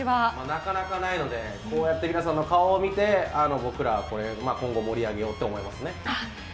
なかなかないのでこうやって皆さんの顔を見て僕ら、今後盛り上げようと思いますね。